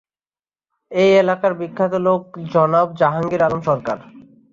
এই এলাকার বিখ্যাত লোক জনাব, জাহাঙ্গীর আলম সরকার।